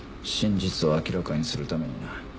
真実を明らかにするためにな。